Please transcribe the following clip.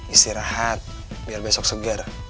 istirahat biar besok segar